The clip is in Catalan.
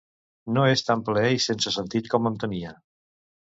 No és tan ple i sense sentit com em temia.